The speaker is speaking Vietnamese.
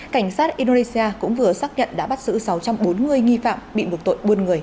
cảnh sát indonesia cũng vừa xác nhận đã bắt giữ sáu trăm bốn mươi nghi phạm bị một tội buôn người